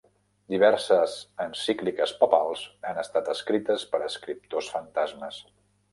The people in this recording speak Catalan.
Diverses encícliques papals han estat escrites per escriptors fantasmes.